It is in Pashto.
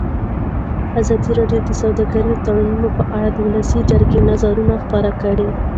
ازادي راډیو د سوداګریز تړونونه په اړه د ولسي جرګې نظرونه شریک کړي.